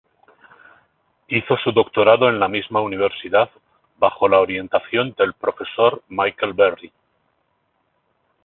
Hizo su doctorado en la misma universidad bajo la orientación del profesor Michael Berry.